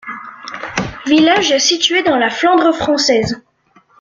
Village situé dans la Flandre française.